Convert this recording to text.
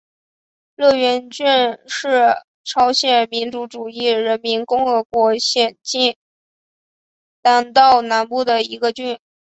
乐园郡是朝鲜民主主义人民共和国咸镜南道南部的一个郡。